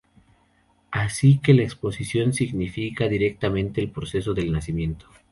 Así que la exposición significa directamente el proceso del nacimiento".